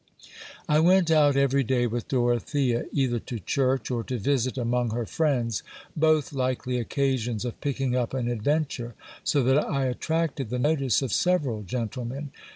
I went out every day with Dorothea, either to church, or to visit among her friends ; both likely occasions of picking up an adventure ; so that I attracted the notice of several gentlemen.